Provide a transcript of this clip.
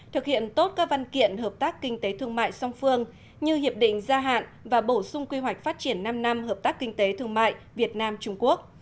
thực hiện tốt các văn kiện hợp tác kinh tế thương mại song phương như hiệp định gia hạn và bổ sung quy hoạch phát triển năm năm hợp tác kinh tế thương mại việt nam trung quốc